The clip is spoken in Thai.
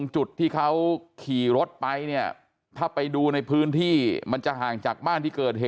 จุดที่เขาขี่รถไปเนี่ยถ้าไปดูในพื้นที่มันจะห่างจากบ้านที่เกิดเหตุ